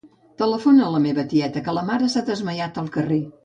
Telefona a la meva tieta, que la mare s'ha desmaiat al carrer.